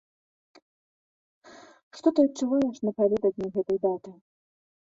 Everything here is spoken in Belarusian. Што ты адчуваеш напярэдадні такой даты?